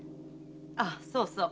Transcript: あそうそう